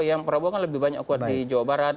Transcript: yang prabowo kan lebih banyak kuat di jawa barat